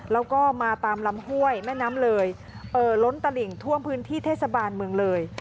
แล้วก็มาตามลำห้วยแม่น้ำเลยเอ่อล้นตลิ่งท่วมพื้นที่เทศบาลเมืองเลย